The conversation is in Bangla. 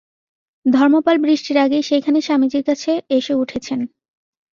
ধর্মপাল বৃষ্টির আগেই সেইখানে স্বামীজীর কাছে এসে উঠেছেন।